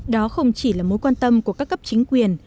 đó không chỉ là mối quan tâm của các cấp chính quyền